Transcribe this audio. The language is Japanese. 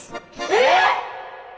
えっ！